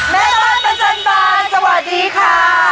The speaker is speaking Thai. แม่บ้านปัจจันทร์บ้านสวัสดีค่ะ